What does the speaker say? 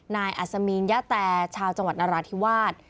อัศมีนยะแต่ชาวจังหวัดนราธิวาส